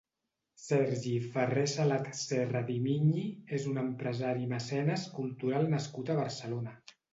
Sergi Ferrer-Salat Serra di Migni és un empresari i mecenes cultural nascut a Barcelona.